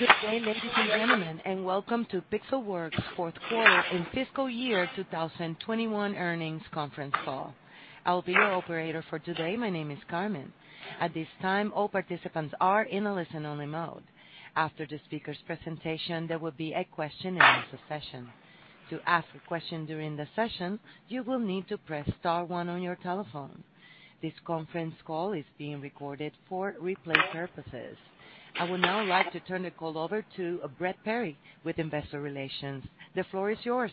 Good day, ladies and gentlemen, and welcome to Pixelworks' Q4 and FY2021 Earnings Conference Call. I'll be your operator for today. My name is Carmen. At this time, all participants are in a listen-only mode. After the speaker's presentation, there will be a question and answer session. To ask a question during the session, you will need to press star one on your telephone. This conference call is being recorded for replay purposes. I would now like to turn the call over to Brett Perry with investor relations. The floor is yours.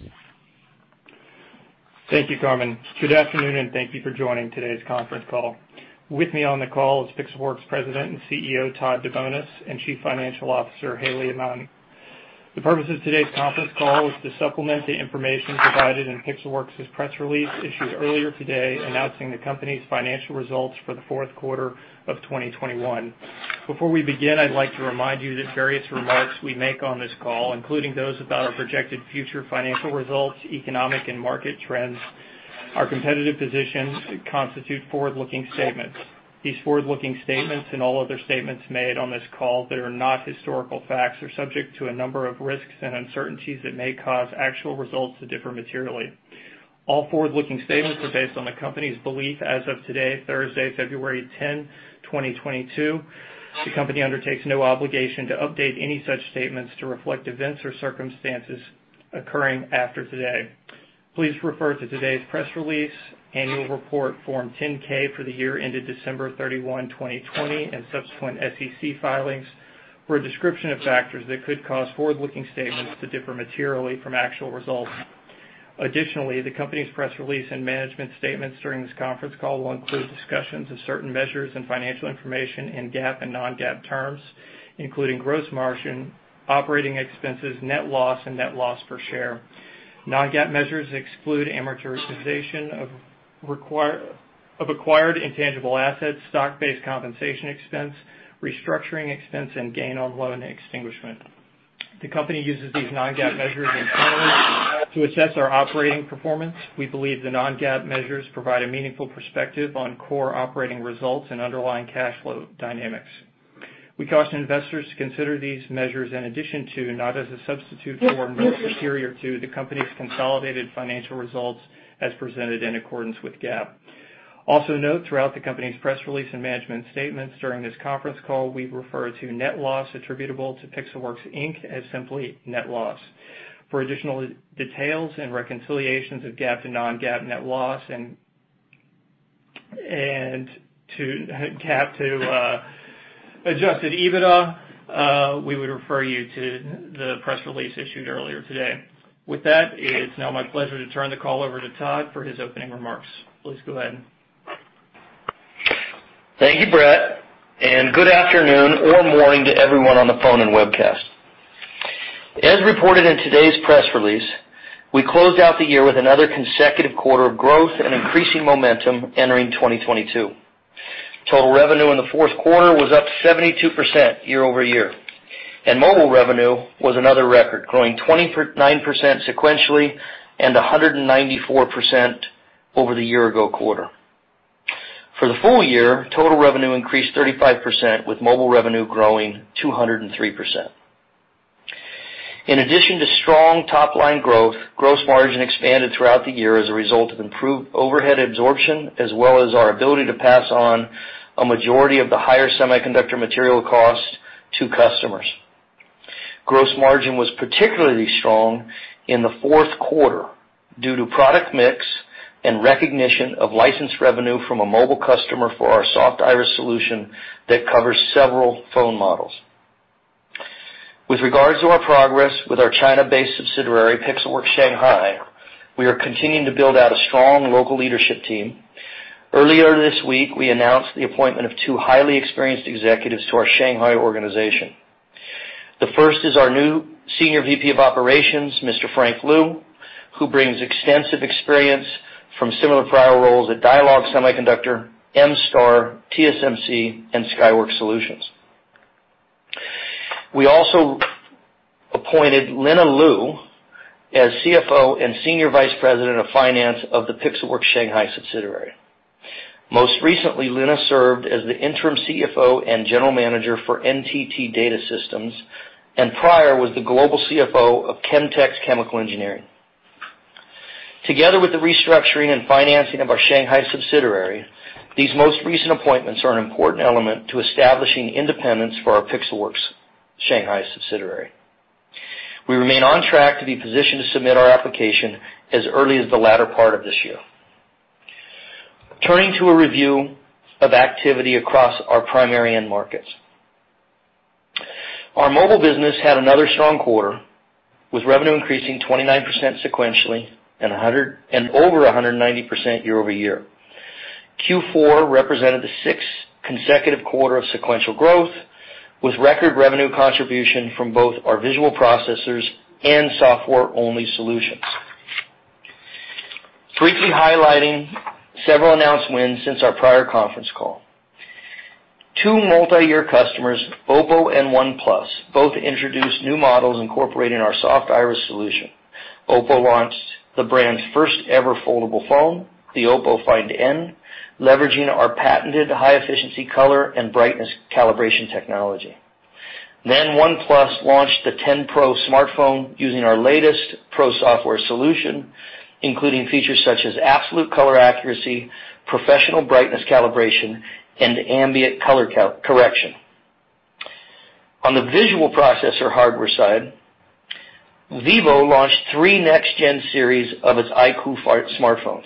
Thank you, Carmen. Good afternoon, and thank you for joining today's conference call. With me on the call is Pixelworks President and CEO, Todd DeBonis, and Chief Financial Officer, Haley Aman. The purpose of today's conference call is to supplement the information provided in Pixelworks' press release issued earlier today, announcing the company's financial results for the fourth quarter of 2021. Before we begin, I'd like to remind you that various remarks we make on this call, including those about our projected future financial results, economic and market trends, our competitive position, constitute forward-looking statements. These forward-looking statements and all other statements made on this call that are not historical facts are subject to a number of risks and uncertainties that may cause actual results to differ materially. All forward-looking statements are based on the company's belief as of today, Thursday, February 10, 2022. The company undertakes no obligation to update any such statements to reflect events or circumstances occurring after today. Please refer to today's press release, annual report Form 10-K for the year ended December 31, 2020, and subsequent SEC filings for a description of factors that could cause forward-looking statements to differ materially from actual results. Additionally, the company's press release and management statements during this conference call will include discussions of certain measures and financial information in GAAP and non-GAAP terms, including gross margin, operating expenses, net loss, and net loss per share. Non-GAAP measures exclude amortization of acquired intangible assets, stock-based compensation expense, restructuring expense, and gain on loan extinguishment. The company uses these non-GAAP measures internally to assess our operating performance. We believe the non-GAAP measures provide a meaningful perspective on core operating results and underlying cash flow dynamics. We caution investors to consider these measures in addition to, not as a substitute for, or superior to the company's consolidated financial results as presented in accordance with GAAP. Also note, throughout the company's press release and management statements during this conference call, we refer to net loss attributable to Pixelworks, Inc. as simply net loss. For additional details and reconciliations of GAAP to non-GAAP net loss and to GAAP to adjusted EBITDA, we would refer you to the press release issued earlier today. With that, it's now my pleasure to turn the call over to Todd for his opening remarks. Please go ahead. Thank you, Brett, and good afternoon or morning to everyone on the phone and webcast. As reported in today's press release, we closed out the year with another consecutive quarter of growth and increasing momentum entering 2022. Total revenue in the Q4 was up 72% year-over-year, and mobile revenue was another record, growing 29% sequentially and 194% over the year-ago quarter. For the full- year, total revenue increased 35%, with mobile revenue growing 203%. In addition to strong top line growth, gross margin expanded throughout the year as a result of improved overhead absorption, as well as our ability to pass on a majority of the higher semiconductor material cost to customers. Gross margin was particularly strong in the fourth quarter due to product mix and recognition of licensed revenue from a mobile customer for our Soft Iris solution that covers several phone models. With regards to our progress with our China-based subsidiary, Pixelworks Shanghai, we are continuing to build out a strong local leadership team. Earlier this week, we announced the appointment of two highly experienced executives to our Shanghai organization. The first is our new Senior VP of Operations, Mr. Frank Lu, who brings extensive experience from similar prior roles at Dialog Semiconductor, MStar, TSMC, and Skyworks Solutions. We also appointed Lina Lu as CFO and Senior Vice President of Finance of the Pixelworks Shanghai subsidiary. Most recently, Lina served as the interim CFO and general manager for NTT DATA Systems, and prior was the Global CFO of Chemtex Chemical Engineering. Together with the restructuring and financing of our Shanghai subsidiary, these most recent appointments are an important element to establishing independence for our Pixelworks Shanghai subsidiary. We remain on track to be positioned to submit our application as early as the latter part of this year. Turning to a review of activity across our primary end markets. Our mobile business had another strong quarter, with revenue increasing 29% sequentially and over 190% year over year. Q4 represented the sixth consecutive quarter of sequential growth, with record revenue contribution from both our visual processors and software-only solutions. Briefly highlighting several announced wins since our prior conference call. Two multi-year customers, OPPO and OnePlus, both introduced new models incorporating our Soft Iris solution. OPPO launched the brand's first ever foldable phone, the OPPO Find N, leveraging our patented high-efficiency color and brightness calibration technology. OnePlus launched the 10 Pro smartphone using our latest Pro software solution, including features such as absolute color accuracy, professional brightness calibration, and ambient color calibration and correction. On the visual processor hardware side, Vivo launched three next-gen series of its iQOO smartphones.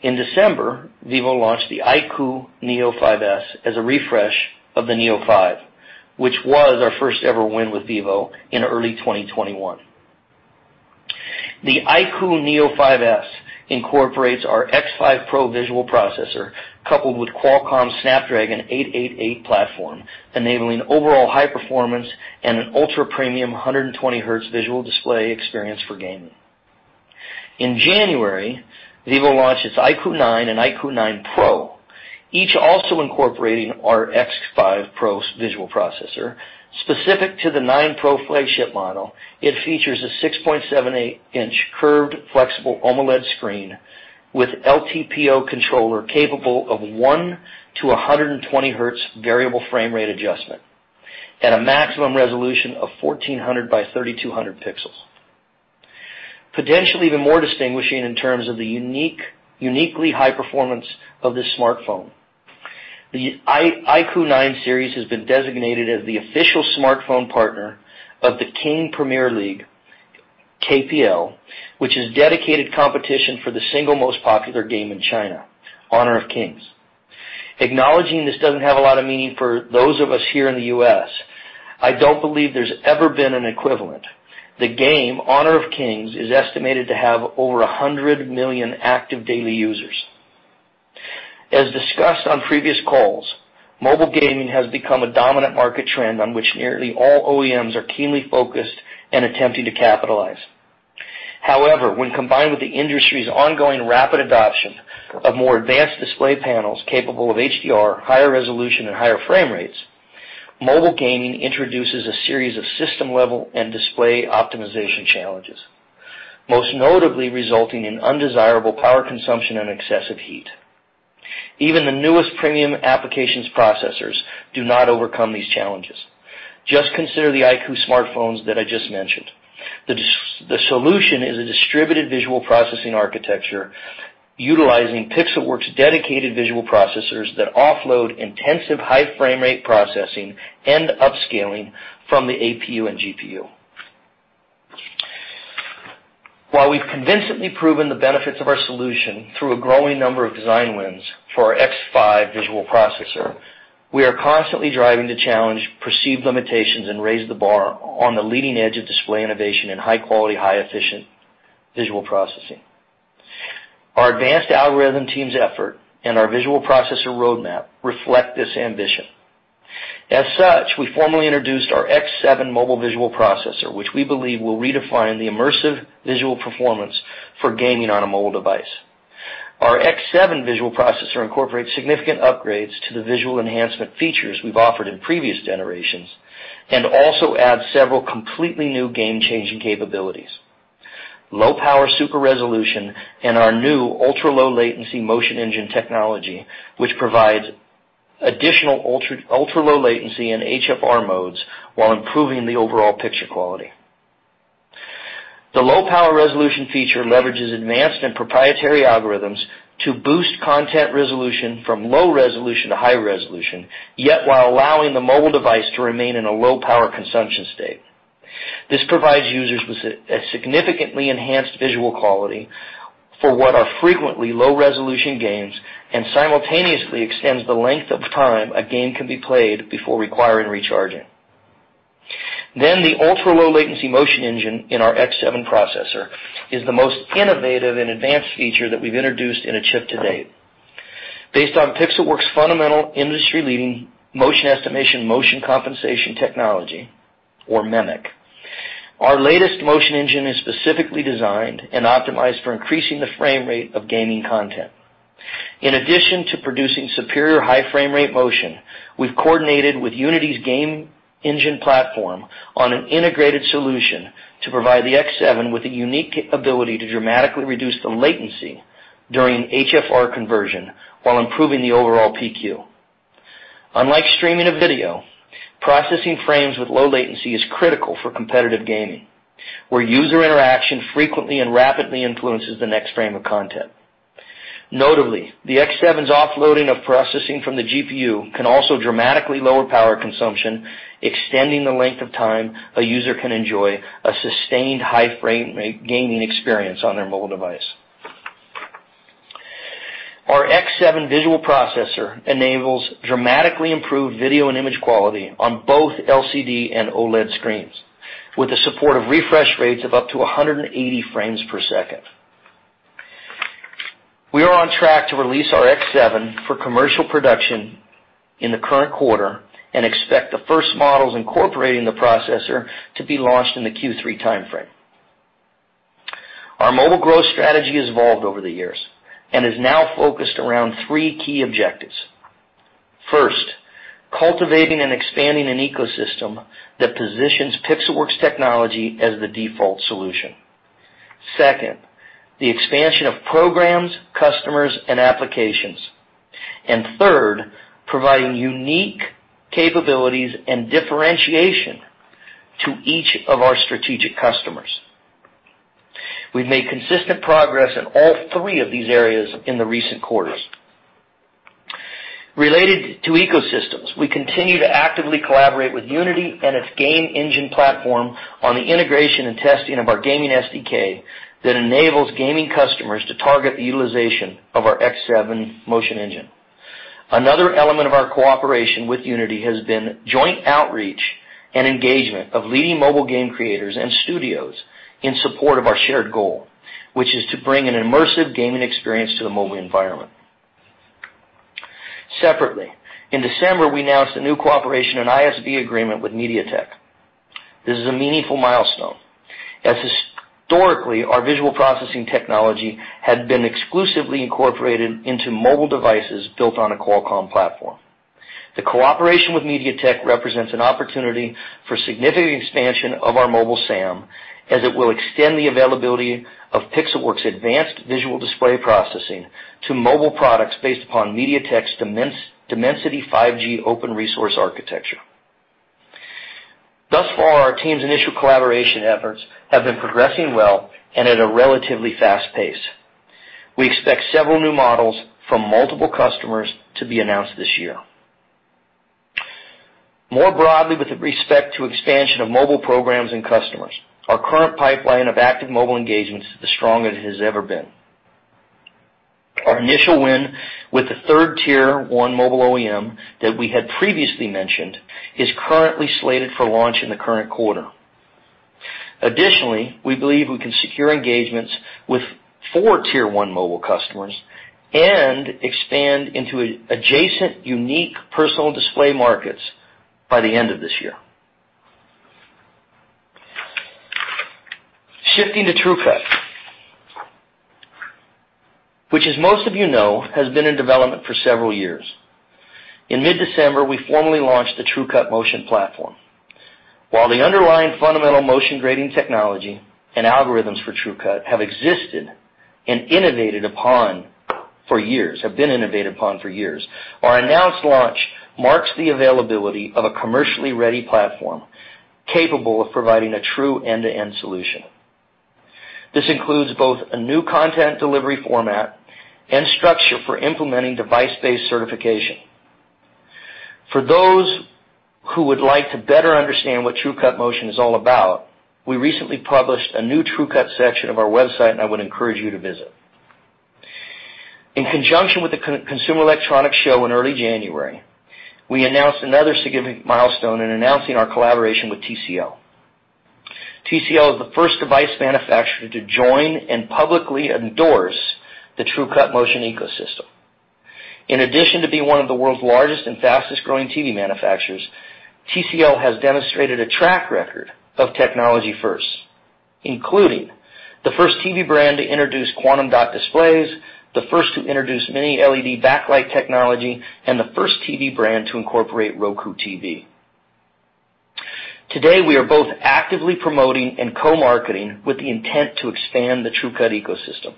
In December, Vivo launched the iQOO Neo5S as a refresh of the Neo5, which was our first ever win with Vivo in early 2021. The iQOO Neo5S incorporates our X5 Pro visual processor coupled with Qualcomm Snapdragon 888 platform, enabling overall high performance and an ultra-premium 120HZ visual display experience for gaming. In January, Vivo launched its iQOO 9 and iQOO 9 Pro, each also incorporating our X5 Pro visual processor. Specific to the iQOO 9 Pro flagship model, it features a 6.78-inch curved flexible AMOLED screen with LTPO controller capable of 1 Hz to 120 Hz variable frame rate adjustment at a maximum resolution of 1400 x 3200 pixels. Potentially even more distinguishing in terms of the unique, uniquely high performance of this smartphone. The iQOO 9 series has been designated as the official smartphone partner of the King Premier League, KPL, which is a dedicated competition for the single most popular game in China, Honor of Kings. Acknowledging this doesn't have a lot of meaning for those of us here in the U.S., I don't believe there's ever been an equivalent. The game, Honor of Kings, is estimated to have over 100 million active daily users. As discussed on previous calls, mobile gaming has become a dominant market trend on which nearly all OEMs are keenly focused and attempting to capitalize. However, when combined with the industry's ongoing rapid adoption of more advanced display panels capable of HDR, higher resolution, and higher frame rates, mobile gaming introduces a series of system-level and display optimization challenges, most notably resulting in undesirable power consumption and excessive heat. Even the newest premium application processors do not overcome these challenges. Just consider the iQOO smartphones that I just mentioned. The solution is a distributed visual processing architecture utilizing Pixelworks' dedicated visual processors that offload intensive high frame rate processing and upscaling from the APU and GPU. While we've convincingly proven the benefits of our solution through a growing number of design wins for our X5 visual processor, we are constantly driving to challenge perceived limitations and raise the bar on the leading edge of display innovation and high-quality, highly efficient visual processing. Our advanced algorithm team's effort and our visual processor roadmap reflect this ambition. As such, we formally introduced our X7 mobile visual processor, which we believe will redefine the immersive visual performance for gaming on a mobile device. Our X7 visual processor incorporates significant upgrades to the visual enhancement features we've offered in previous generations and also adds several completely new game-changing capabilities. Low power super resolution and our new ultra-low latency motion engine technology, which provides additional ultra-low latency and HFR modes while improving the overall picture quality. The low power resolution feature leverages advanced and proprietary algorithms to boost content resolution from low resolution to high resolution, yet while allowing the mobile device to remain in a low power consumption state. This provides users with significantly enhanced visual quality for what are frequently low resolution games and simultaneously extends the length of time a game can be played before requiring recharging. The ultra-low latency motion engine in our X7 processor is the most innovative and advanced feature that we've introduced in a chip to date. Based on Pixelworks' fundamental industry-leading motion estimation, motion compensation technology, or MEMC, our latest motion engine is specifically designed and optimized for increasing the frame rate of gaming content. In addition to producing superior high frame rate motion, we've coordinated with Unity's game engine platform on an integrated solution to provide the X7 with the unique ability to dramatically reduce the latency during HFR conversion while improving the overall PQ. Unlike streaming a video, processing frames with low latency is critical for competitive gaming, where user interaction frequently and rapidly influences the next frame of content. Notably, the X7's offloading of processing from the GPU can also dramatically lower power consumption, extending the length of time a user can enjoy a sustained high frame rate gaming experience on their mobile device. Our X7 visual processor enables dramatically improved video and image quality on both LCD and OLED screens with the support of refresh rates of up to 180 frames per second. We are on track to release our X7 for commercial production in the current quarter and expect the first models incorporating the processor to be launched in the Q3 timeframe. Our mobile growth strategy has evolved over the years and is now focused around three key objectives. First, cultivating and expanding an ecosystem that positions Pixelworks technology as the default solution. Second, the expansion of programs, customers, and applications. And third, providing unique capabilities and differentiation to each of our strategic customers. We've made consistent progress in all three of these areas in the recent quarters. Related to ecosystems, we continue to actively collaborate with Unity and its game engine platform on the integration and testing of our gaming SDK that enables gaming customers to target the utilization of our X7 motion engine. Another element of our cooperation with Unity has been joint outreach and engagement of leading mobile game creators and studios in support of our shared goal, which is to bring an immersive gaming experience to the mobile environment. Separately, in December, we announced a new cooperation and ISV agreement with MediaTek. This is a meaningful milestone, as historically, our visual processing technology had been exclusively incorporated into mobile devices built on a Qualcomm platform. The cooperation with MediaTek represents an opportunity for significant expansion of our mobile SAM as it will extend the availability of Pixelworks' advanced visual display processing to mobile products based upon MediaTek's Dimensity 5G open resource architecture. Thus far, our team's initial collaboration efforts have been progressing well and at a relatively fast pace. We expect several new models from multiple customers to be announced this year. More broadly, with respect to expansion of mobile programs and customers, our current pipeline of active mobile engagements is the strongest it has ever been. Our initial win with the third-tier one mobile OEM that we had previously mentioned is currently slated for launch in the current quarter. Additionally, we believe we can secure engagements with four Tier 1 mobile customers and expand into adjacent unique personal display markets by the end of this year. Shifting to TrueCut, which as most of has been in development for several years. In mid-December, we formally launched the TrueCut Motion platform. While the underlying fundamental motion grading technology and algorithms for TrueCut have existed and have been innovated upon for years, our announced launch marks the availability of a commercially ready platform capable of providing a true end-to-end solution. This includes both a new content delivery format and structure for implementing device-based certification. For those who would like to better understand what TrueCut Motion is all about, we recently published a new TrueCut section of our website, and I would encourage you to visit. In conjunction with the Consumer Electronics Show in early January, we announced another significant milestone in announcing our collaboration with TCL. TCL is the first device manufacturer to join and publicly endorse the TrueCut Motion ecosystem. In addition to being one of the world's largest and fastest-growing TV manufacturers, TCL has demonstrated a track record of technology first, including the first TV brand to introduce quantum dot displays, the first to introduce Mini LED backlight technology, and the first TV brand to incorporate Roku TV. Today, we are both actively promoting and co-marketing with the intent to expand the TrueCut ecosystem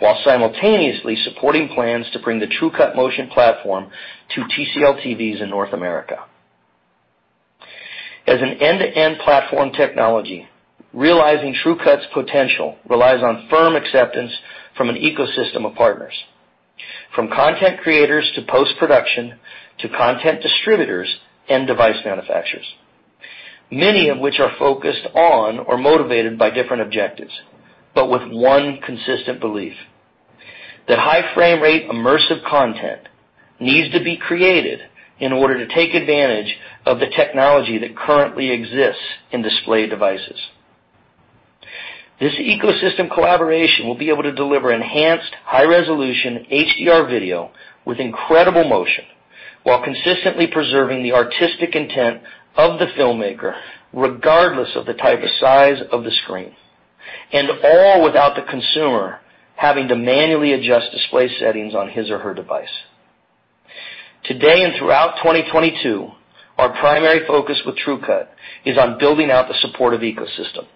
while simultaneously supporting plans to bring the TrueCut Motion platform to TCL TVs in North America. As an end-to-end platform technology, realizing TrueCut's potential relies on firm acceptance from an ecosystem of partners, from content creators to post-production to content distributors and device manufacturers, many of which are focused on or motivated by different objectives, but with one consistent belief that high frame rate immersive content needs to be created in order to take advantage of the technology that currently exists in display devices. This ecosystem collaboration will be able to deliver enhanced high-resolution HDR video with incredible motion while consistently preserving the artistic intent of the filmmaker, regardless of the type of size of the screen, and all without the consumer having to manually adjust display settings on his or her device. Today and throughout 2022, our primary focus with TrueCut is on building out the supportive ecosystem.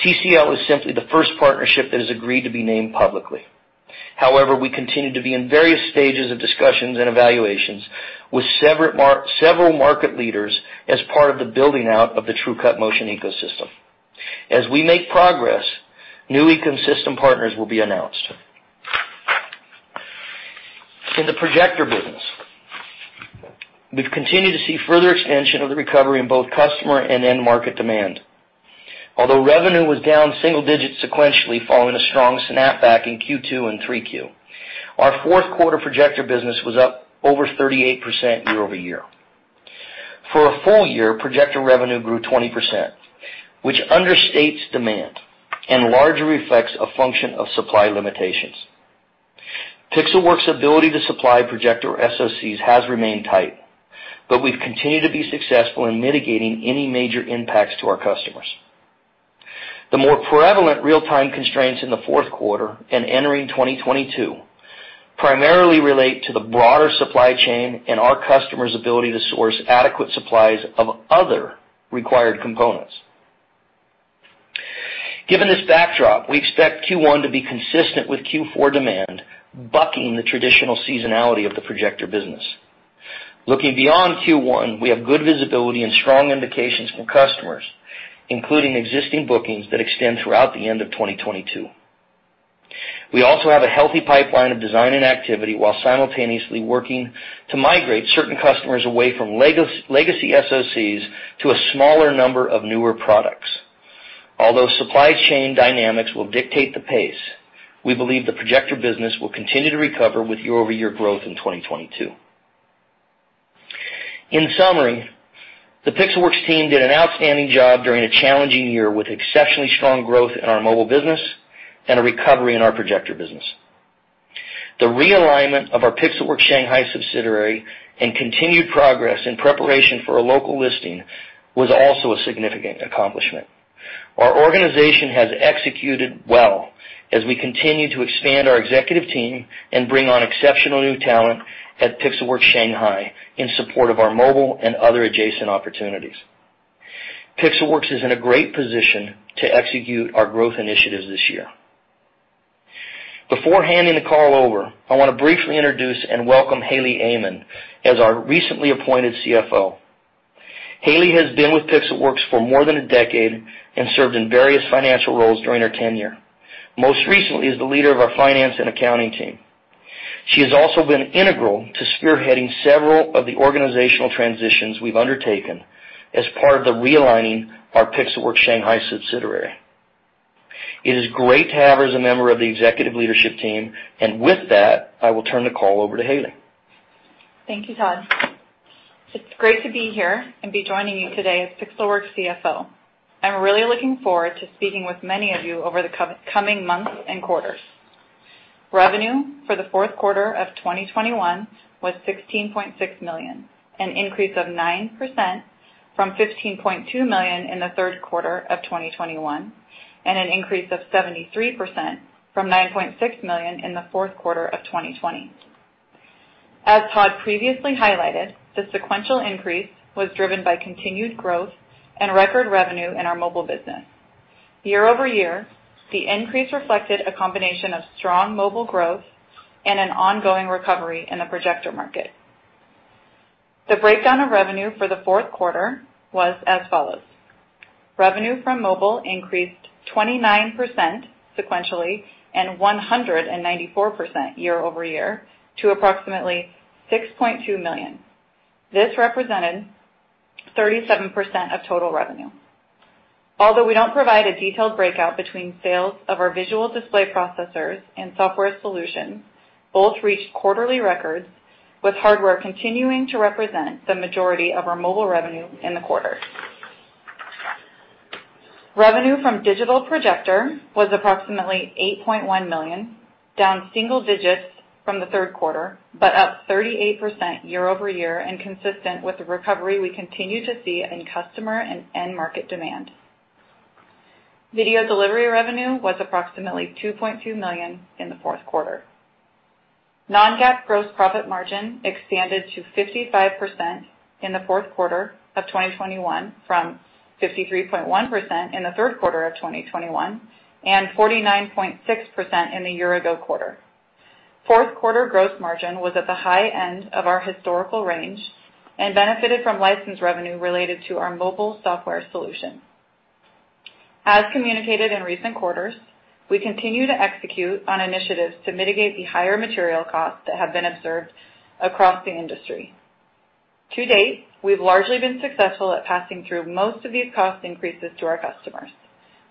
TCL is simply the first partnership that has agreed to be named publicly. However, we continue to be in various stages of discussions and evaluations with several market leaders as part of the building out of the TrueCut Motion ecosystem. As we make progress, new ecosystem partners will be announced. In the projector business, we've continued to see further extension of the recovery in both customer and end market demand. Although revenue was down single digit sequentially following a strong snap back in Q2 and Q3, our Q4 projector business was up over 38% year-over-year. For a full-year, projector revenue grew 20%, which understates demand and largely reflects a function of supply limitations. Pixelworks' ability to supply projector SoCs has remained tight, but we've continued to be successful in mitigating any major impacts to our customers. The more prevalent real-time constraints in the fourth quarter and entering 2022 primarily relate to the broader supply chain and our customers' ability to source adequate supplies of other required components. Given this backdrop, we expect Q1 to be consistent with Q4 demand, bucking the traditional seasonality of the projector business. Looking beyond Q1, we have good visibility and strong indications from customers, including existing bookings that extend throughout the end of 2022. We also have a healthy pipeline of design and activity, while simultaneously working to migrate certain customers away from legacy SoCs to a smaller number of newer products. Although supply chain dynamics will dictate the pace, we believe the projector business will continue to recover with year-over-year growth in 2022. In summary, the Pixelworks team did an outstanding job during a challenging year, with exceptionally strong growth in our mobile business and a recovery in our projector business. The realignment of our Pixelworks Shanghai subsidiary and continued progress in preparation for a local listing was also a significant accomplishment. Our organization has executed well as we continue to expand our executive team and bring on exceptional new talent at Pixelworks Shanghai in support of our mobile and other adjacent opportunities. Pixelworks is in a great position to execute our growth initiatives this year. Before handing the call over, I wanna briefly introduce and welcome Haley Aman as our recently appointed CFO. Haley has been with Pixelworks for more than a decade and served in various financial roles during her tenure, most recently as the leader of our finance and accounting team. She has also been integral to spearheading several of the organizational transitions we've undertaken as part of the realignment of our Pixelworks Shanghai subsidiary. It is great to have her as a member of the executive leadership team, and with that, I will turn the call over to Haley. Thank you, Todd. It's great to be here and be joining you today as Pixelworks' CFO. I'm really looking forward to speaking with many of you over the coming months and quarters. Revenue for the Q4 2021 was $16.6 million, an increase of 9% from $15.2 million in the Q3 2021, and an increase of 73% from $9.6 million in the Q4 2020. As Todd previously highlighted, the sequential increase was driven by continued growth and record revenue in our mobile business. Year-over-year, the increase reflected a combination of strong mobile growth and an ongoing recovery in the projector market. The breakdown of revenue for the fourth quarter was as follows. Revenue from mobile increased 29% sequentially and 194% year-over-year to approximately $6.2 million. This represented 37% of total revenue. Although we don't provide a detailed breakout between sales of our visual display processors and software solutions, both reached quarterly records, with hardware continuing to represent the majority of our mobile revenue in the quarter. Revenue from digital projector was approximately $8.1 million, down single digits from the third quarter, but up 38% year-over-year and consistent with the recovery we continue to see in customer and end market demand. Video delivery revenue was approximately $2.2 million in the fourth quarter. Non-GAAP gross profit margin expanded to 55% in the Q4 2021 from 53.1% in the third quarter of 2021, and 49.6% in the year ago quarter. Q4 gross margin was at the high end of our historical range and benefited from license revenue related to our mobile software solution. As communicated in recent quarters, we continue to execute on initiatives to mitigate the higher material costs that have been observed across the industry. To date, we've largely been successful at passing through most of these cost increases to our customers.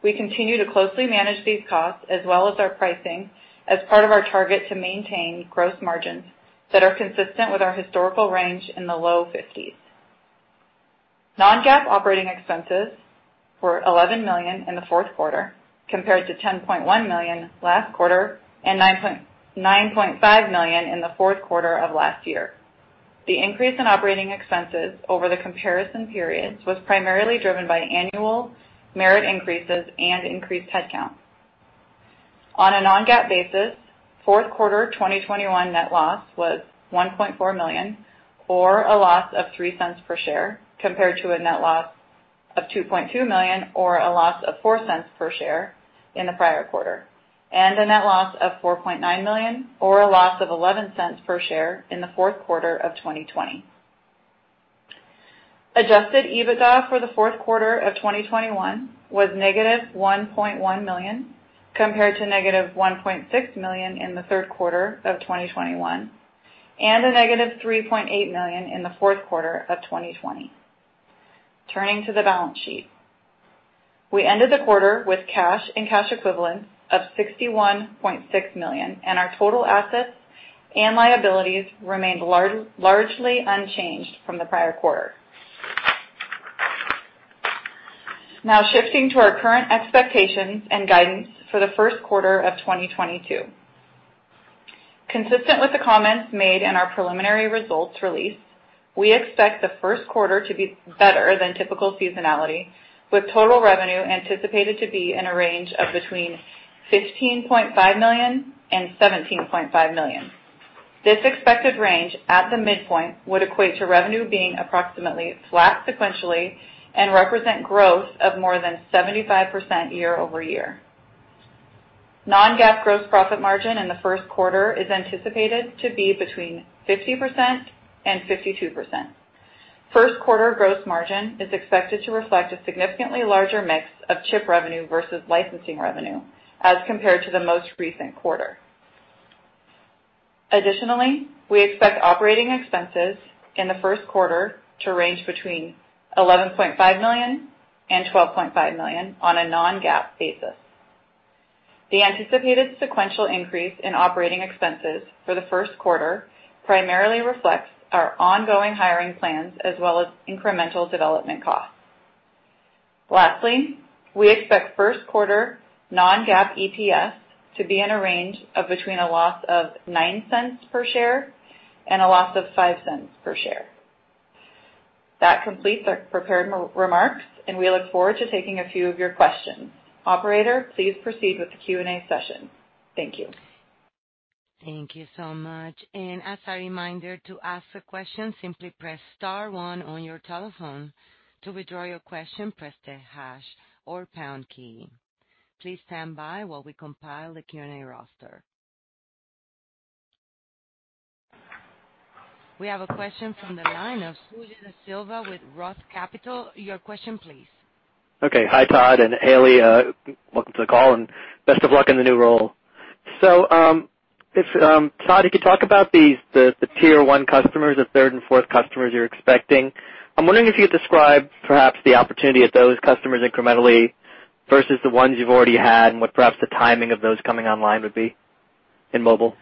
We continue to closely manage these costs as well as our pricing as part of our target to maintain gross margins that are consistent with our historical range in the low fifties. Non-GAAP operating expenses were $11 million in the Q4, compared to $10.1 million last quarter and $9.5 million in the Q4 of last year. The increase in operating expenses over the comparison periods was primarily driven by annual merit increases and increased headcount. On a non-GAAP basis, Q4 2021 net loss was $1.4 million, or a loss of $0.03 per share, compared to a net loss of $2.2 million, or a loss of $0.04 per share in the prior quarter, and a net loss of $4.9 million, or a loss of $0.11 per share in the Q4 of 2020. Adjusted EBITDA for the Q4 2021 was negative $1.1 million, compared to negative $1.6 million in the Q3 2021, and negative $3.8 million in the Q4 2020. Turning to the balance sheet. We ended the quarter with cash and cash equivalents of $61.6 million, and our total assets and liabilities remained largely unchanged from the prior quarter. Now shifting to our current expectations and guidance for the Q1 2022. Consistent with the comments made in our preliminary results release, we expect the Q1 to be better than typical seasonality, with total revenue anticipated to be in a range of between $15.5 million and $17.5 million. This expected range at the midpoint would equate to revenue being approximately flat sequentially and represent growth of more than 75% year over year. Non-GAAP gross profit margin in the Q1 is anticipated to be between 50% and 52%. First quarter gross margin is expected to reflect a significantly larger mix of chip revenue versus licensing revenue as compared to the most recent quarter. Additionally, we expect operating expenses in the first quarter to range between $11.5 million and $12.5 million on a non-GAAP basis. The anticipated sequential increase in operating expenses for the Q1 primarily reflects our ongoing hiring plans as well as incremental development costs. Lastly, we expect first quarter non-GAAP EPS to be in a range of between a loss of $0.09 per share and a loss of $0.05 per share. That completes our prepared remarks, and we look forward to taking a few of your questions. Operator, please proceed with the Q&A session. Thank you. Thank you so much. As a reminder to ask a question, simply press star one on your telephone. To withdraw your question, press the hash or pound key. Please stand by while we compile the Q&A roster. We have a question from the line of Suji Desilva with Roth Capital. Your question, please. Okay. Hi, Todd and Haley. Welcome to the call and best of luck in the new role. Todd, if you could talk about the tier one customers, the third and fourth customers you're expecting. I'm wondering if you could describe perhaps the opportunity at those customers incrementally versus the ones you've already had and what perhaps the timing of those coming online would be in mobile.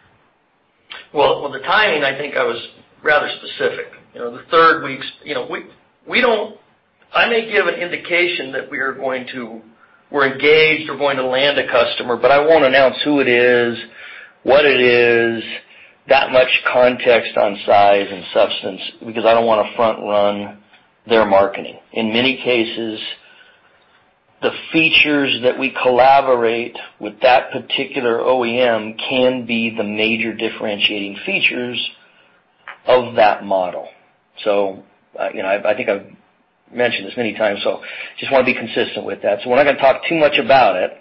Well, on the timing, I think I was rather specific. You know, we don't. I may give an indication that we're engaged, we're going to land a customer, but I won't announce who it is, what it is, that much context on size and substance, because I don't wanna front run their marketing. In many cases, the features that we collaborate with that particular OEM can be the major differentiating features of that model. You know, I think I've mentioned this many times, so just wanna be consistent with that. We're not gonna talk too much about it,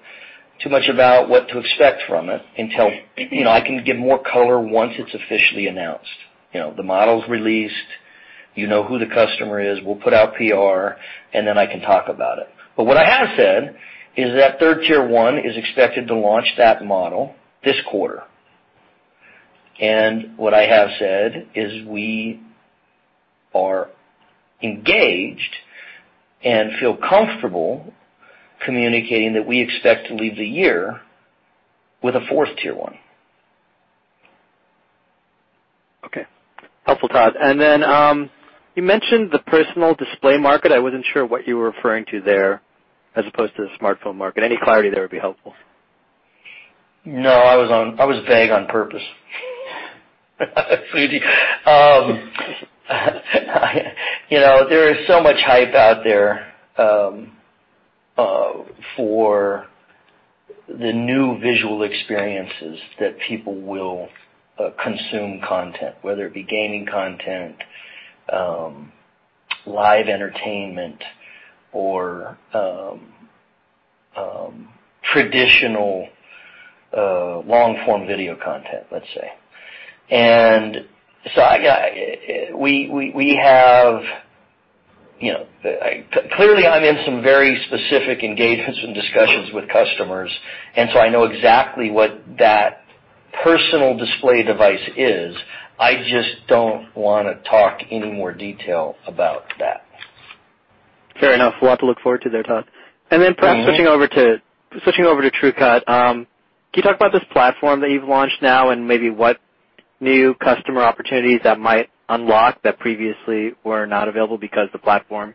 about what to expect from it until, you know, I can give more color once it's officially announced. You know, the model is released, you know who the customer is, we'll put out PR, and then I can talk about it. What I have said is that third Tier 1 is expected to launch that model this quarter. What I have said is we are engaged and feel comfortable communicating that we expect to end the year with a fourth Tier 1. Okay. Helpful, Todd. You mentioned the personal display market. I wasn't sure what you were referring to there as opposed to the smartphone market. Any clarity there would be helpful. No, I was vague on purpose. I, you know, there is so much hype out there for the new visual experiences that people will consume content, whether it be gaming content, live entertainment or traditional long-form video content, let's say. We have, you know. Clearly, I'm in some very specific engagements and discussions with customers, and so I know exactly what that personal display device is. I just don't wanna talk any more detail about that. Fair enough. A lot to look forward to there, Todd. Mm-hmm. Perhaps switching over to TrueCut. Can you talk about this platform that you've launched now and maybe what new customer opportunities that might unlock that previously were not available because the platform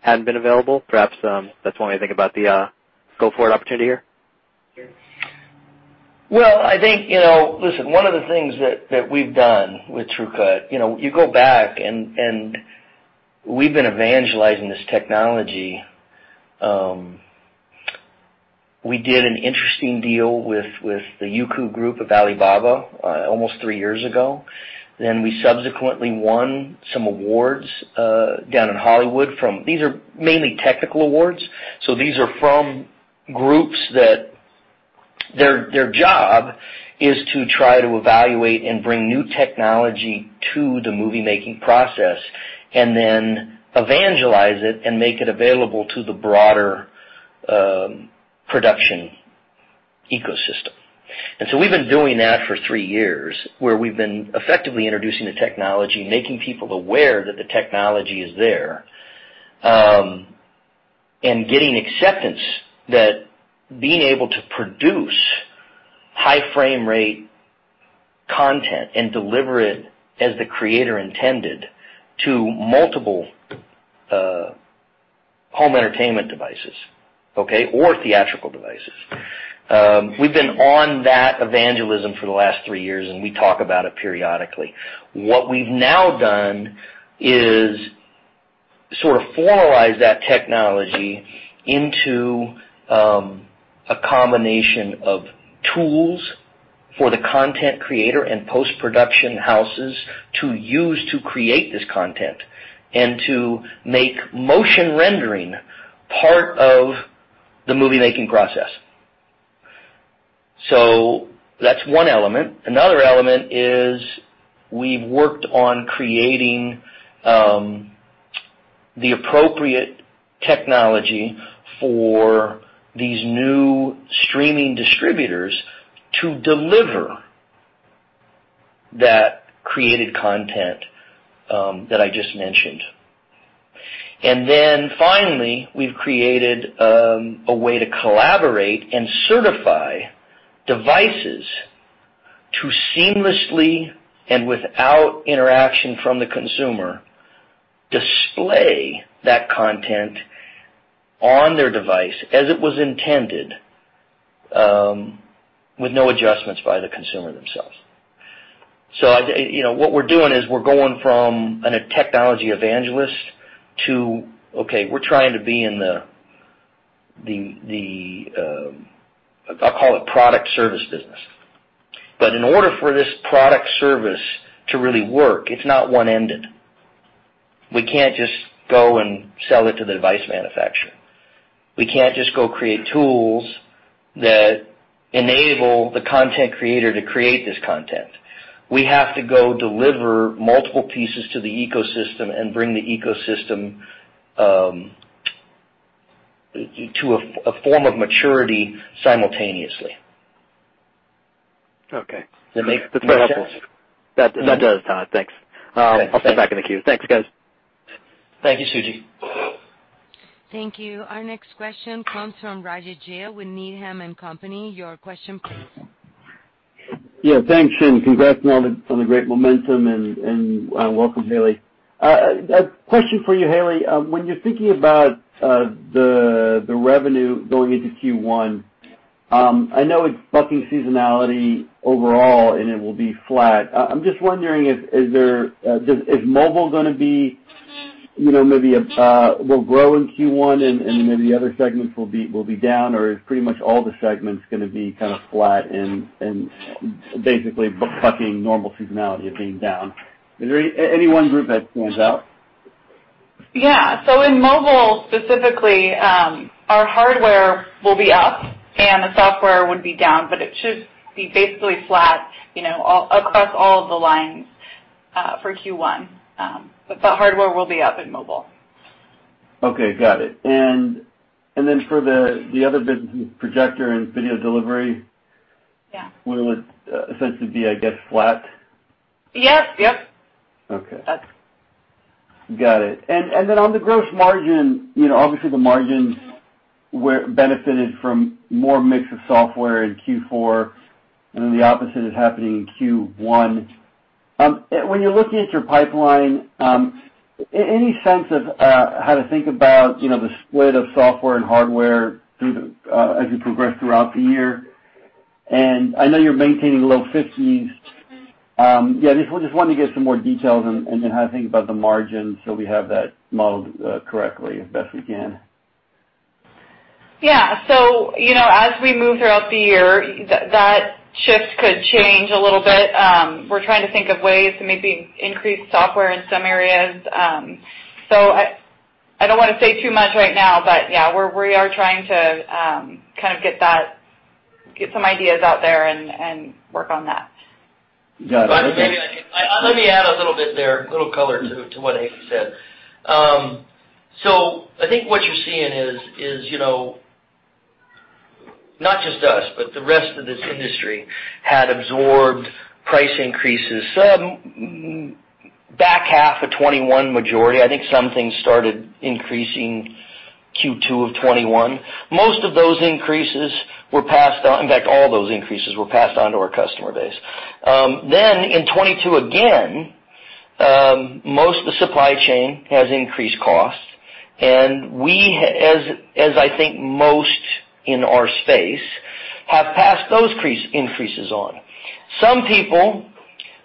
hadn't been available? Perhaps, that's one way to think about the go-forward opportunity here. Well, I think, listen, one of the things that we've done with TrueCut, you go back and we've been evangelizing this technology. We did an interesting deal with the Youku almost three years ago. Then we subsequently won some awards down in Hollywood from. These are mainly technical awards, so these are from groups that their job is to try to evaluate and bring new technology to the movie-making process and then evangelize it and make it available to the broader production ecosystem. We've been doing that for three years, where we've been effectively introducing the technology, making people aware that the technology is there, and getting acceptance that being able to produce high frame rate content and deliver it as the creator intended to multiple home entertainment devices, okay. Theatrical devices. We've been on that evangelism for the last three years, and we talk about it periodically. What we've now done is sort of formalize that technology into a combination of tools for the content creator and post-production houses to use to create this content and to make motion rendering part of the movie-making process. That's one element. Another element is we've worked on creating the appropriate technology for these new streaming distributors to deliver that created content that I just mentioned. Then finally, we've created a way to collaborate and certify devices to seamlessly and without interaction from the consumer, display that content on their device as it was intended with no adjustments by the consumer themselves. What we're doing is we're going from a technology evangelist to, okay, we're trying to be in the, I'll call it product service business. In order for this product service to really work, it's not one-ended. We can't just go and sell it to the device manufacturer. We can't just go create tools that enable the content creator to create this content. We have to go deliver multiple pieces to the ecosystem and bring the ecosystem to a form of maturity simultaneously. Okay. Does that make sense? That does, Todd. Thanks. Okay. I'll step back in the queue. Thanks, guys. Thank you, Suji. Thank you. Our next question comes from Rajvindra Gill with Needham & Company. Your question please. Yeah, thanks. Congrats on the great momentum and welcome, Haley. A question for you, Haley. When you're thinking about the revenue going into Q1, I know it's bucking seasonality overall, and it will be flat. I'm just wondering is mobile gonna be, maybe will grow in Q1 and maybe the other segments will be down, or is pretty much all the segments gonna be kind of flat and basically bucking normal seasonality of being down? Is there any one group that stands out? Yeah. In mobile specifically, our hardware will be up and the software would be down, but it should be basically flat, you know, across all of the lines, for Q1. But the hardware will be up in mobile. Okay, got it. Then for the other business, projector and video delivery- Yeah. Will it essentially be, I guess, flat? Yes. Yep. Okay. That's... Got it. On the gross margin, obviously the margins were benefited from more mix of software in Q4, and then the opposite is happening in Q1. When you're looking at your pipeline, any sense of how to think about, you know, the split of software and hardware through the year as you progress throughout the year? I know you're maintaining low 50%. Yeah, just wanted to get some more details on how to think about the margins so we have that modeled correctly as best we can. Yeah. As we move throughout the year, that shift could change a little bit. We're trying to think of ways to maybe increase software in some areas. I don't wanna say too much right now, but yeah, we are trying to kind of get some ideas out there and work on that. Got it, okay. Let me add a little bit there, a little color to what Haley said. I think what you're seeing is you know, not just us, but the rest of this industry had absorbed price increases some back half of 2021 majority. I think some things started increasing Q2 of 2021. Most of those increases were passed on. In fact, all those increases were passed on to our customer base. In 2022, again, most of the supply chain has increased costs, and we, as I think most in our space, have passed those increases on. Some people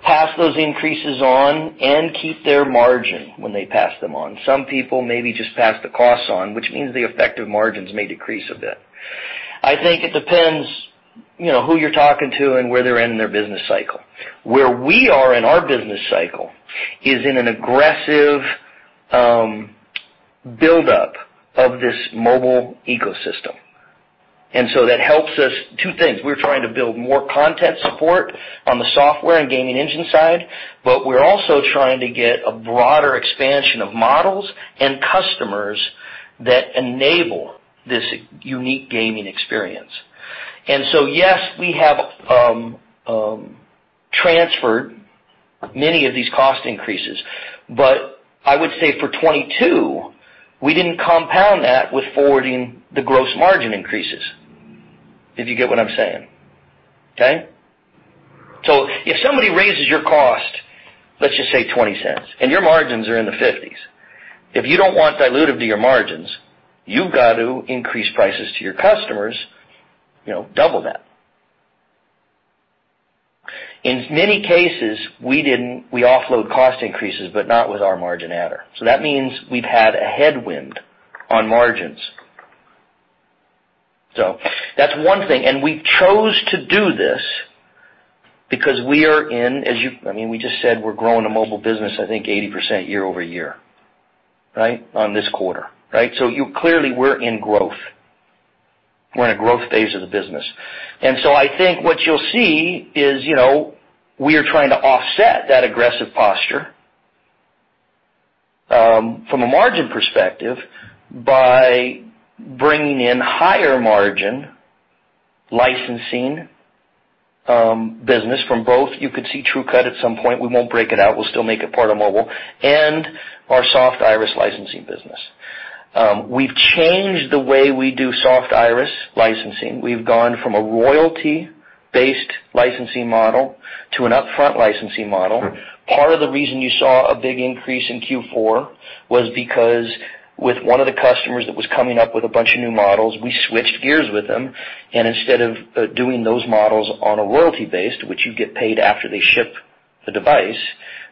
pass those increases on and keep their margin when they pass them on. Some people maybe just pass the costs on, which means the effective margins may decrease a bit. I think it depends, who you're talking to and where they're in their business cycle. Where we are in our business cycle is in an aggressive buildup of this mobile ecosystem. That helps us two things. We're trying to build more content support on the software and gaming engine side, but we're also trying to get a broader expansion of models and customers that enable this unique gaming experience. Yes, we have transferred many of these cost increases. I would say for 2022, we didn't compound that with forwarding the gross margin increases, if you get what I'm saying. Okay? If somebody raises your cost, let's just say $0.20, and your margins are in the 50%, if you don't want dilutive to your margins, you've got to increase prices to your customers, you know, double that. In many cases, we offload cost increases, but not with our margin adder. That means we've had a headwind on margins. That's one thing. We chose to do this because I mean, we just said we're growing a mobile business, I think 80% year-over-year, right? On this quarter, right? You clearly see we're in growth. We're in a growth phase of the business. I think what you'll see is, we are trying to offset that aggressive posture, from a margin perspective by bringing in higher margin licensing business from both. You could see TrueCut at some point. We won't break it out. We'll still make it part of mobile and our Soft Iris licensing business. We've changed the way we do Soft Iris licensing. We've gone from a royalty-based licensing model to an upfront licensing model. Part of the reason you saw a big increase in Q4 was because with one of the customers that was coming up with a bunch of new models, we switched gears with them, and instead of doing those models on a royalty base to which you get paid after they ship the device,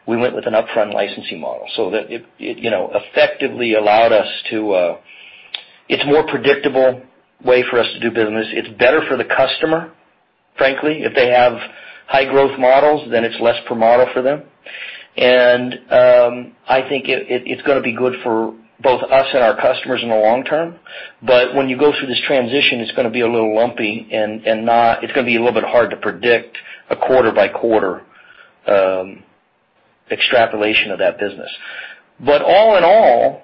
we went with an upfront licensing model so that it, effectively allowed us to. It's more predictable way for us to do business. It's better for the customer, frankly. If they have high growth models, then it's less per model for them. I think it's gonna be good for both us and our customers in the long term. When you go through this transition, it's gonna be a little lumpy. It's gonna be a little bit hard to predict a quarter by quarter extrapolation of that business. All in all,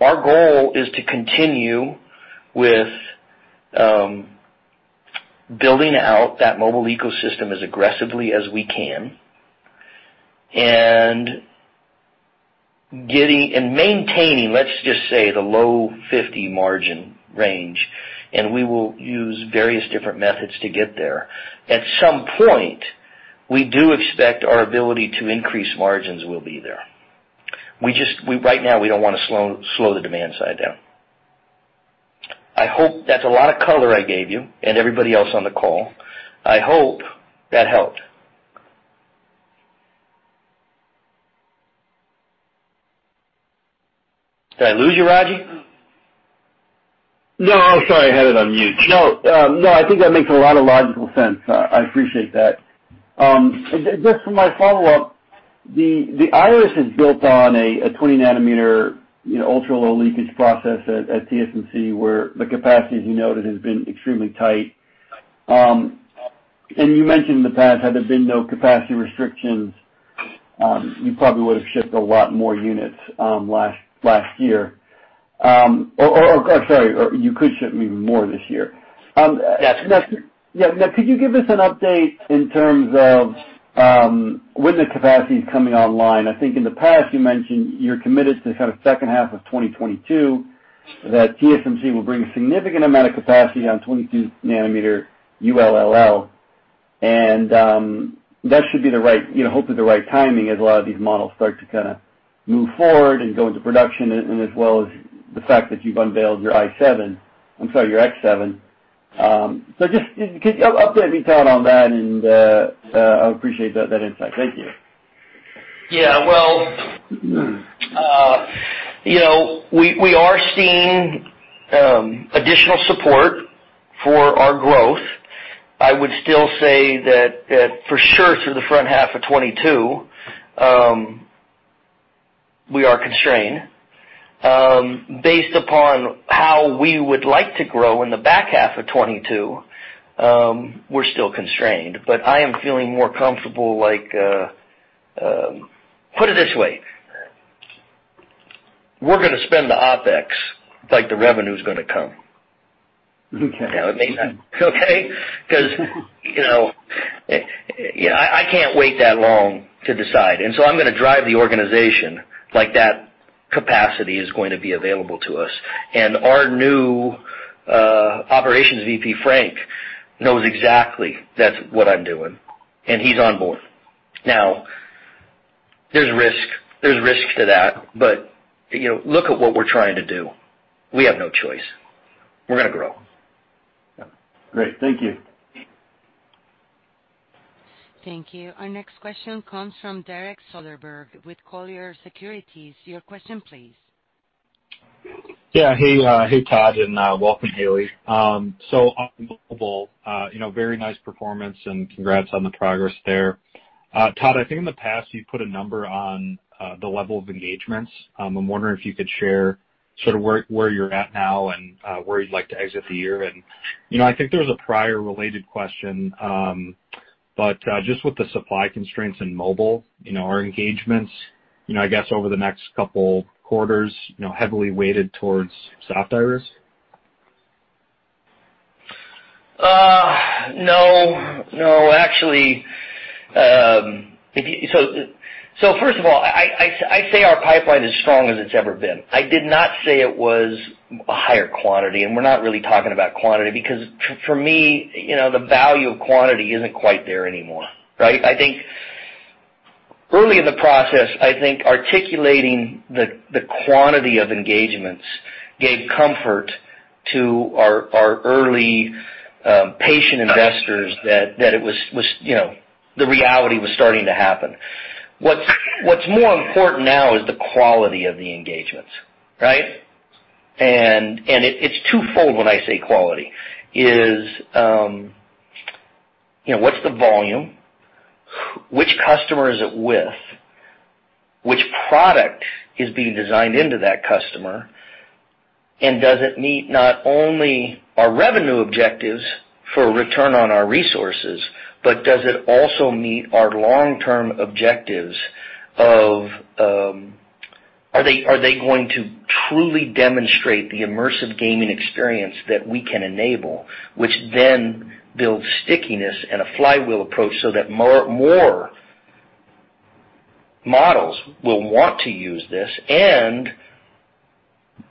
our goal is to continue with building out that mobile ecosystem as aggressively as we can and getting and maintaining, let's just say, the low 50% margin range, and we will use various different methods to get there. At some point, we do expect our ability to increase margins will be there. We just right now, we don't wanna slow the demand side down. I hope that's a lot of color I gave you and everybody else on the call. I hope that helped. Did I lose you, Raji? No. I'm sorry. I had it on mute. No, I think that makes a lot of logical sense. I appreciate that. Just for my follow-up, the Iris is built on a 20-nanometer, you know, ultra-low leakage process at TSMC, where the capacity, as you noted, has been extremely tight. You mentioned in the past, had there been no capacity restrictions, you probably would have shipped a lot more units last year. Sorry, or you could ship even more this year. Yes. Yeah. Now could you give us an update in terms of when the capacity is coming online? I think in the past you mentioned you're committed to kind of H2 2022, that TSMC will bring a significant amount of capacity on 22-nanometer ULL. That should be the right, you know, hopefully the right timing as a lot of these models start to kinda move forward and go into production, and as well as the fact that you've unveiled your X7. So just update me, Todd, on that, and I appreciate that insight. Thank you. Yeah. Well, we are seeing additional support for our growth. I would still say that for sure through the front half of 2022, we are constrained. Based upon how we would like to grow in the back half of 2022, we're still constrained, but I am feeling more comfortable like. Put it this way, we're gonna spend the OpEx like the revenue is gonna come. Okay. It may not. Okay? beause, I can't wait that long to decide. I'm gonna drive the organization like that capacity is going to be available to us. Our new operations VP, Frank, knows exactly that's what I'm doing, and he's on board. Now, there's risk to that, but, look at what we're trying to do. We have no choice. We're gonna grow. Great. Thank you. Thank you. Our next question comes from Derek Soderberg with Colliers Securities. Your question, please. Yeah. Hey, Todd, and welcome, Haley. On mobile, very nice performance, and congrats on the progress there. Todd, I think in the past, you put a number on the level of engagements. I'm wondering if you could share sort of where you're at now and where you'd like to exit the year. I think there was a prior related question, but just with the supply constraints in mobile, you know, are engagements, I guess over the next couple quarters, heavily weighted towards Soft Iris? No. Actually, first of all, I say our pipeline is strong as it's ever been. I did not say it was higher quantity, and we're not really talking about quantity because for me, you know, the value of quantity isn't quite there anymore, right? I think early in the process articulating the quantity of engagements gave comfort to our early patient investors that it was, the reality was starting to happen. What's more important now is the quality of the engagements, right? It's twofold when I say quality, what's the volume? Which customer is it with? Which product is being designed into that customer? Does it meet not only our revenue objectives for return on our resources, but does it also meet our long-term objectives of, are they going to truly demonstrate the immersive gaming experience that we can enable, which then builds stickiness and a flywheel approach so that more models will want to use this, and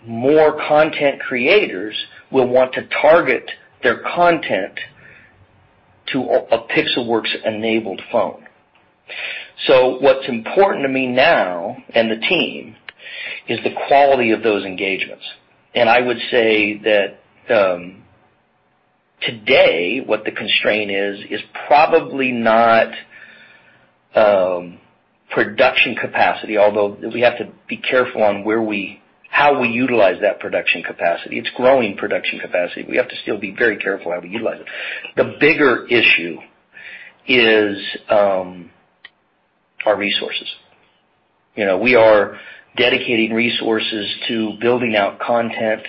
more content creators will want to target their content to a Pixelworks-enabled phone. What's important to me now and the team is the quality of those engagements. I would say that, today, what the constraint is probably not production capacity, although we have to be careful on how we utilize that production capacity. It's growing production capacity. We have to still be very careful how we utilize it. The bigger issue is, our resources. We are dedicating resources to building out content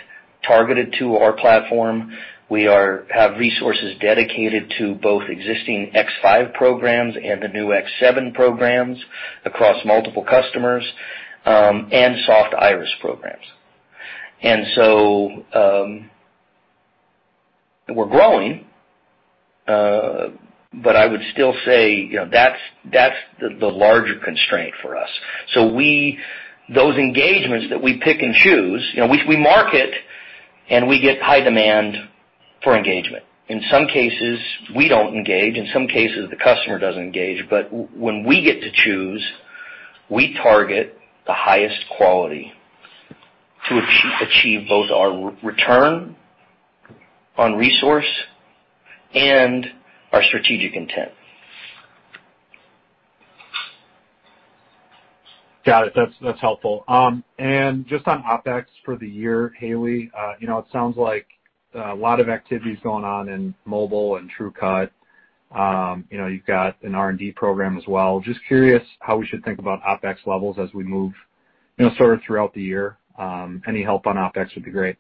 targeted to our platform. We have resources dedicated to both existing X5 programs and the new X7 programs across multiple customers, and Soft Iris programs. We're growing, but I would still say, you know, that's the larger constraint for us. Those engagements that we pick and choose, you know, we market and we get high demand for engagement. In some cases, we don't engage. In some cases, the customer doesn't engage. But when we get to choose, we target the highest quality to achieve both our return on resource and our strategic intent. Got it. That's helpful. Just on OpEx for the year, Haley. You know, it sounds like a lot of activity is going on in mobile and TrueCut. You've got an R&D program as well. Just curious how we should think about OpEx levels as we move, sort of throughout the year. Any help on OpEx would be great.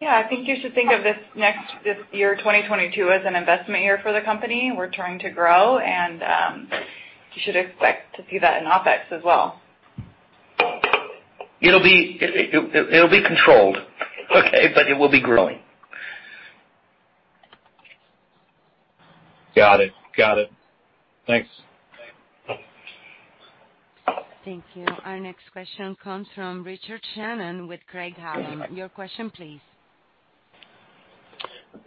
Yeah. I think you should think of this year, 2022, as an investment year for the company. We're trying to grow, and you should expect to see that in OpEx as well. It'll be controlled, okay? It will be growing. Got it. Thanks. Thank you. Our next question comes from Richard Shannon with Craig-Hallum. Your question please.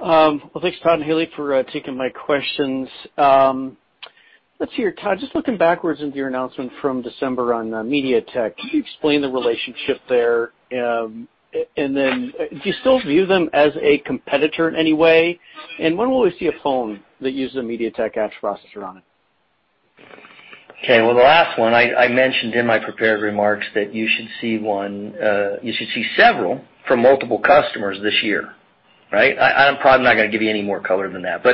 Well, thanks, Todd and Haley, for taking my questions. Let's hear, Todd, just looking backwards into your announcement from December on MediaTek. Can you explain the relationship there? Then do you still view them as a competitor in any way? When will we see a phone that uses a MediaTek Dimensity processor on it? Okay. Well, the last one, I mentioned in my prepared remarks that you should see several from multiple customers this year, right? I'm probably not gonna give you any more color than that.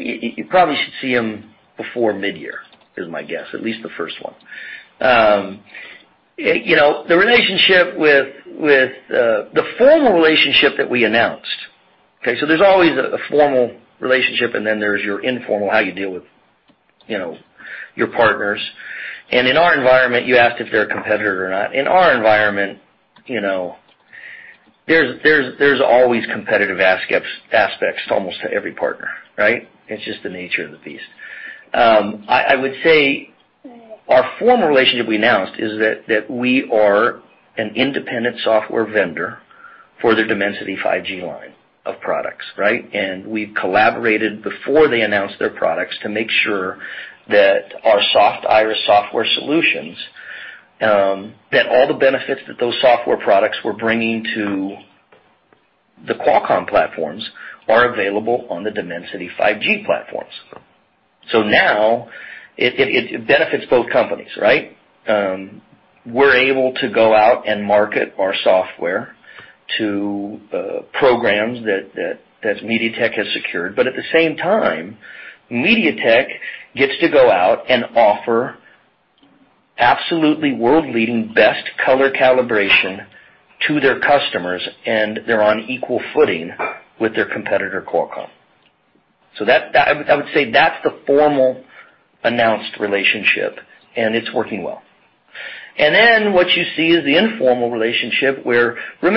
You probably should see them before midyear, is my guess. At least the first one. The relationship with the formal relationship that we announced. Okay, there's always a formal relationship, and then there's your informal, how you deal with, your partners. In our environment, you asked if they're a competitor or not. In our environment, there's always competitive aspects almost to every partner, right? It's just the nature of the beast. I would say our formal relationship we announced is that we are an independent software vendor for their Dimensity 5G line of products, right? We've collaborated before they announced their products to make sure that our Soft Iris software solutions that all the benefits that those software products were bringing to the Qualcomm platforms are available on the Dimensity 5G platforms. Now it benefits both companies, right? We're able to go out and market our software to programs that MediaTek has secured. At the same time, MediaTek gets to go out and offer absolutely world-leading best color calibration to their customers, and they're on equal footing with their competitor, Qualcomm. That I would say that's the formal announced relationship, and it's working well. What you see is the informal relationship where... We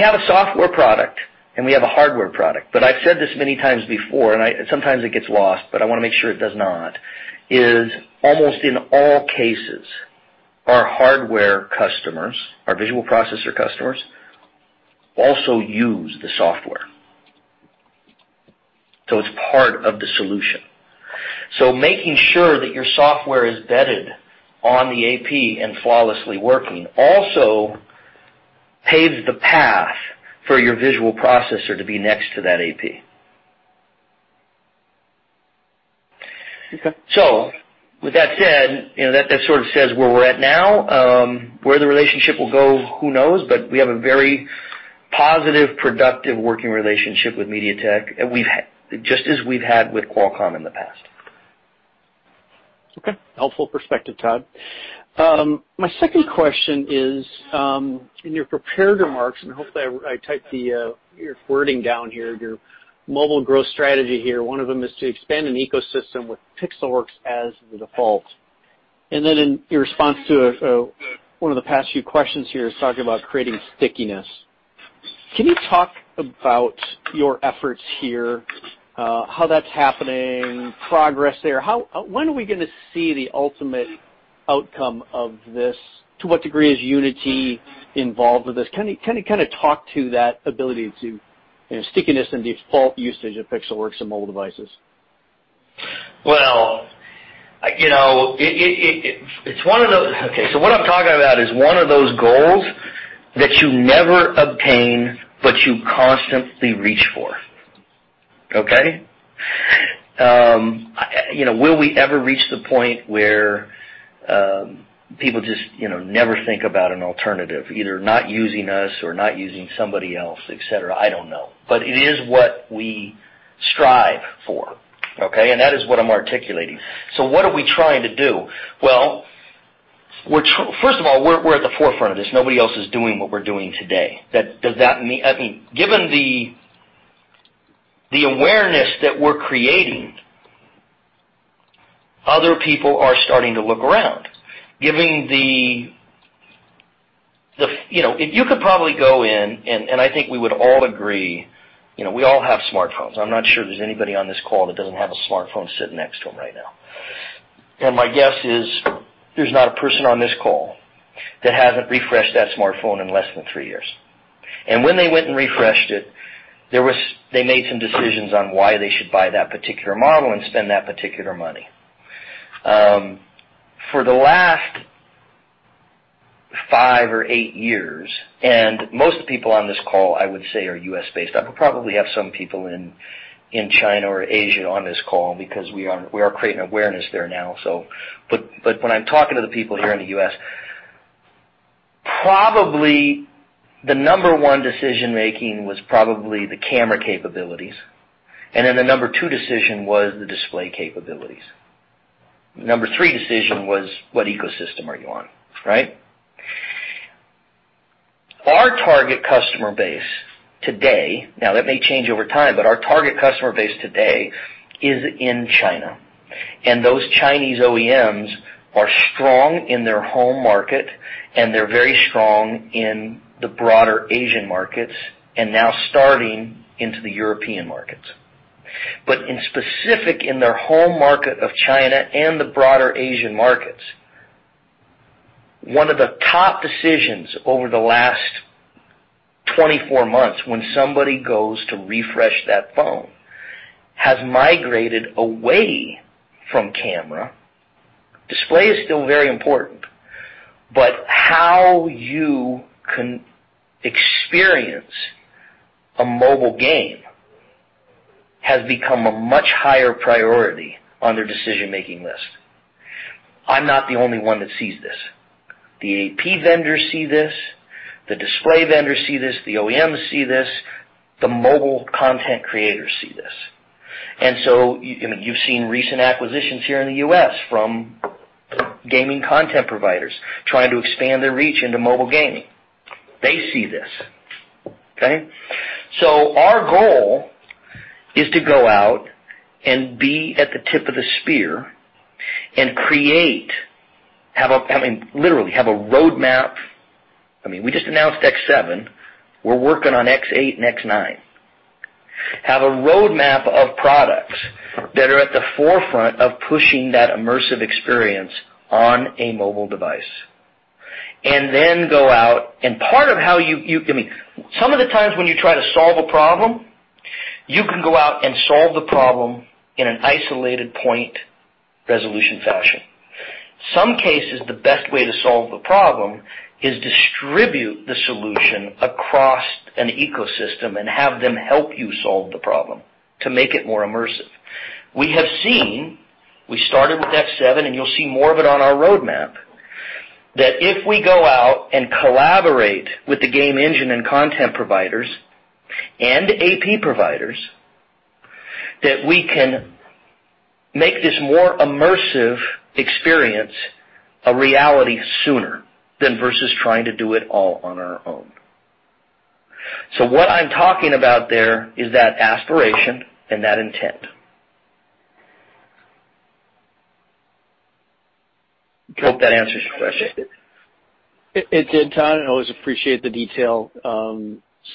have a software product and we have a hardware product. I've said this many times before, and sometimes it gets lost, but I wanna make sure it does not, is almost in all cases, our hardware customers, our visual processor customers, also use the software. It's part of the solution. Making sure that your software is vetted on the AP and flawlessly working also paves the path for your visual processor to be next to that AP. Okay. With that said, that sort of says where we're at now. Where the relationship will go, who knows? We have a very positive, productive working relationship with MediaTek, and we've had just as we've had with Qualcomm in the past. Okay. Helpful perspective, Todd. My second question is in your prepared remarks, and hopefully I typed the your wording down here, your mobile growth strategy here, one of them is to expand an ecosystem with Pixelworks as the default. In your response to one of the past few questions here is talking about creating stickiness. Can you talk about your efforts here, how that's happening, progress there? When are we gonna see the ultimate outcome of this? To what degree is Unity involved with this? Can you kinda talk to that ability to stickiness and default usage of Pixelworks in mobile devices? Well, it's one of those. Okay, so what I'm talking about is one of those goals that you never obtain, but you constantly reach for. Okay? You know, will we ever reach the point where people just, never think about an alternative, either not using us or not using somebody else, et cetera? I don't know. It is what we strive for, okay? That is what I'm articulating. What are we trying to do? Well, First of all, we're at the forefront of this. Nobody else is doing what we're doing today. Does that mean, I mean, given the awareness that we're creating, other people are starting to look around. Given the If you could probably go in, and I think we would all agree, we all have smartphones. I'm not sure there's anybody on this call that doesn't have a smartphone sitting next to them right now. My guess is there's not a person on this call that hasn't refreshed that smartphone in less than three years. When they went and refreshed it, they made some decisions on why they should buy that particular model and spend that particular money. For the last five or eight years, most people on this call, I would say, are U.S.-based. I probably have some people in China or Asia on this call because we are creating awareness there now, so. When I'm talking to the people here in the U.S., probably the number one decision-making was probably the camera capabilities, and then the number 2 decision was the display capabilities. Number three decision was what ecosystem are you on, right? Our target customer base today, now that may change over time, but our target customer base today is in China. Those Chinese OEMs are strong in their home market, and they're very strong in the broader Asian markets, and now starting into the European markets. In specific in their home market of China and the broader Asian markets, one of the top decisions over the last 24 months when somebody goes to refresh that phone has migrated away from camera. Display is still very important, but how you can experience a mobile game has become a much higher priority on their decision-making list. I'm not the only one that sees this. The AP vendors see this, the display vendors see this, the OEMs see this, the mobile content creators see this. You know, you've seen recent acquisitions here in the U.S. from gaming content providers trying to expand their reach into mobile gaming. They see this. Okay. Our goal is to go out and be at the tip of the spear and have a—I mean, literally have a roadmap. I mean, we just announced X7. We're working on X8 and X9. Have a roadmap of products that are at the forefront of pushing that immersive experience on a mobile device. Then go out, and part of how you... I mean, some of the times when you try to solve a problem, you can go out and solve the problem in an isolated point solution fashion. In some cases, the best way to solve the problem is to distribute the solution across an ecosystem and have them help you solve the problem to make it more immersive. We have seen. We started with X7, and you'll see more of it on our roadmap, that if we go out and collaborate with the game engine and content providers and AP providers, that we can make this more immersive experience a reality sooner than versus trying to do it all on our own. What I'm talking about there is that aspiration and that intent. I hope that answers your question. It did, Todd. I always appreciate the detail.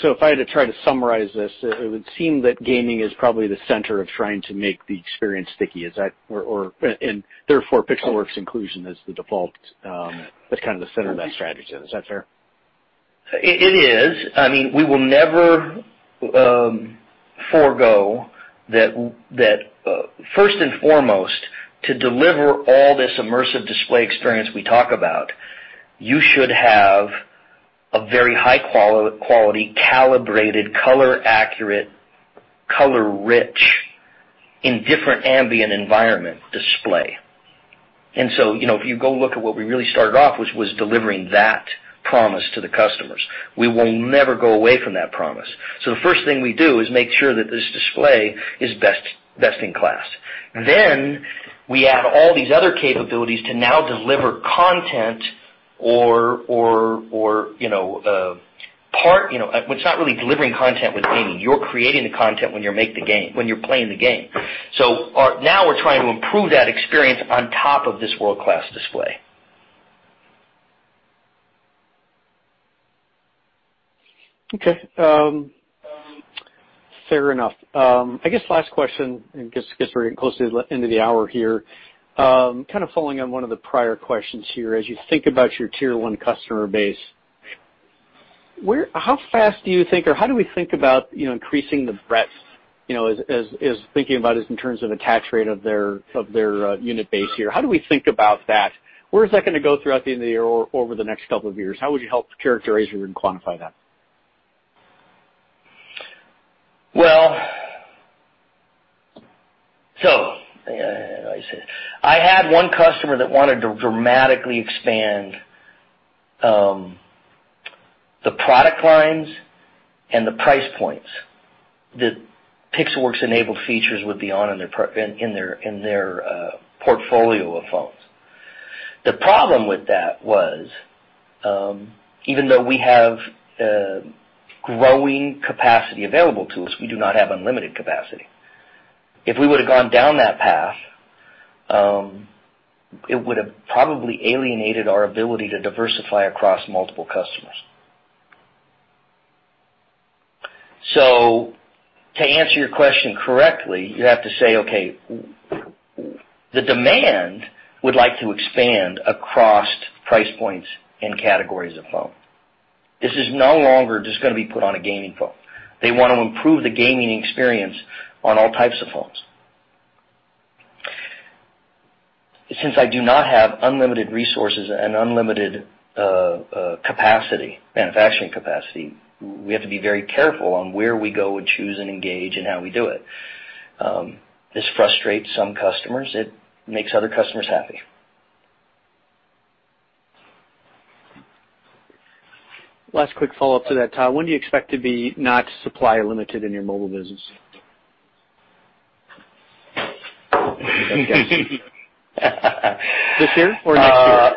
If I had to try to summarize this, it would seem that gaming is probably the center of trying to make the experience sticky. Is that? Therefore, Pixelworks inclusion is the default. That's kind of the center of that strategy. Is that fair? It is. I mean, we will never forgo that first and foremost to deliver all this immersive display experience we talk about. You should have a very high quality, calibrated, color accurate, color rich, in different ambient environment display. If you go look at what we really started off, which was delivering that promise to the customers, we will never go away from that promise. The first thing we do is make sure that this display is best in class. Then we add all these other capabilities to now deliver content. It's not really delivering content with gaming. You're creating the content when you make the game, when you're playing the game. Now we're trying to improve that experience on top of this world-class display. Okay. Fair enough. I guess last question, we're getting close to the end of the hour here. Kind of following on one of the prior questions here. As you think about your tier one customer base, how fast do you think or how do we think about, you know, increasing the breadth, as thinking about it in terms of attach rate of their unit base here? How do we think about that? Where is that gonna go throughout the end of the year or over the next couple of years? How would you help characterize or even quantify that? I said I had one customer that wanted to dramatically expand the product lines and the price points that Pixelworks enabled features would be on in their portfolio of phones. The problem with that was, even though we have growing capacity available to us, we do not have unlimited capacity. If we would have gone down that path, it would have probably alienated our ability to diversify across multiple customers. To answer your question correctly, you have to say, okay, the demand would like to expand across price points and categories of phone. This is no longer just gonna be put on a gaming phone. They want to improve the gaming experience on all types of phones. Since I do not have unlimited resources and capacity, manufacturing capacity, we have to be very careful on where we go and choose and engage and how we do it. This frustrates some customers. It makes other customers happy. Last quick follow-up to that, Todd. When do you expect to be not supply limited in your mobile business? This year or next year?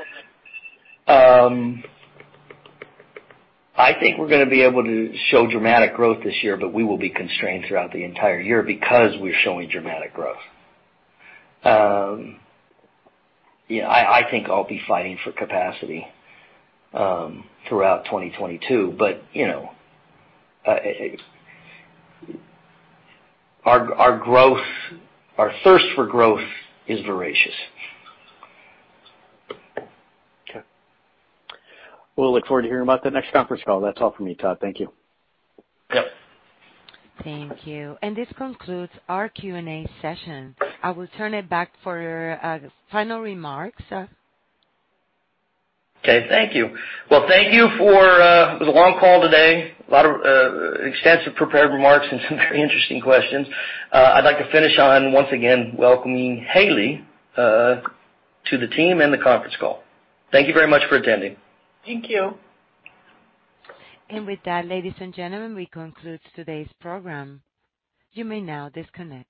I think we're gonna be able to show dramatic growth this year, but we will be constrained throughout the entire year because we're showing dramatic growth. I think I'll be fighting for capacity throughout 2022. You know, our growth, our thirst for growth is voracious. Okay. We'll look forward to hearing about that next conference call. That's all for me, Todd. Thank you. Yep. Thank you. This concludes our Q&A session. I will turn it back for your final remarks. Okay. Thank you. Well, thank you. It was a long call today. A lot of extensive prepared remarks and some very interesting questions. I'd like to finish on, once again, welcoming Haley to the team and the conference call. Thank you very much for attending. Thank you. With that, ladies and gentlemen, we conclude today's program. You may now disconnect.